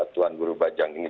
tuan guru bajang ini